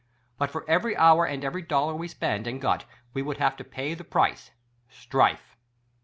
But for every hour and_ every dollar we spent and got we would have to pay the price — strife.